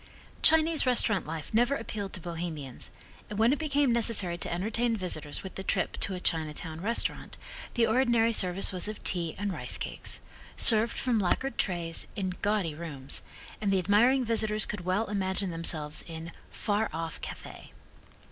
Chinese restaurant life never appealed to Bohemians, and when it became necessary to entertain visitors with a trip to a Chinatown restaurant the ordinary service was of tea and rice cakes, served from lacquered trays, in gaudy rooms, and the admiring visitors could well imagine themselves in "far off Cathay."